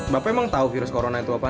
bapak memang tahu virus corona itu apa